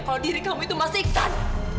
kalau diri kamu itu masih iksan